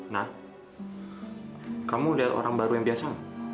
nah kamu adalah orang baru yang biasa